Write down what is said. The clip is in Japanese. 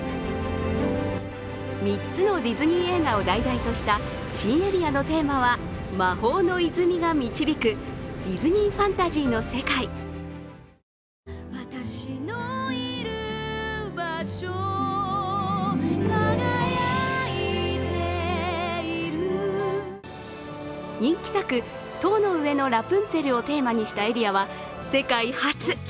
３つのディズニー映画を題材とした新エリアのテーマは魔法の泉が導くディズニーファンタジーの世界人気作「塔の上のラプンツェル」をテーマにしたエリアは世界初。